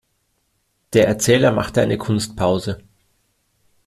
Der Erzähler machte eine Kunstpause.